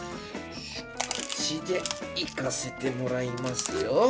口でいかせてもらいますよ！